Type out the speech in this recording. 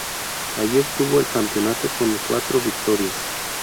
Allí obtuvo el campeonato con cuatro victorias.